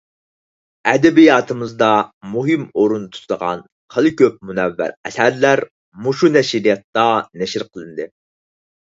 ئەدەبىياتىمىزدا مۇھىم ئورۇن تۇتىدىغان خېلى كۆپ مۇنەۋۋەر ئەسەرلەر مۇشۇ نەشرىياتتا نەشر قىلىندى.